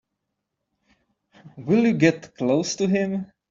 Will you get close to him?